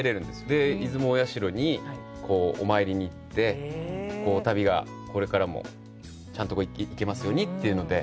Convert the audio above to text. で出雲大社にお参りに行って旅がこれからもちゃんと行けますようにっていうので。